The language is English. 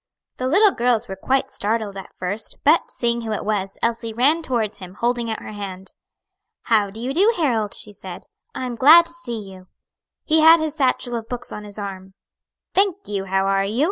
The little girls were quite startled at first, but seeing who it was, Elsie ran towards him, holding out her hand. "How do you do, Harold?" she said; "I am glad to see you." He had his satchel of books on his arm. "Thank you, how are you?